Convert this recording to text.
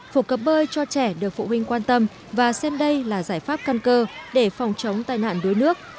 phục cấp bơi cho trẻ được phụ huynh quan tâm và xem đây là giải pháp căn cơ để phòng chống tai nạn đuối nước